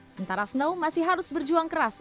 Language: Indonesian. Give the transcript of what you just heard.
sementara snow masih harus berjuang keras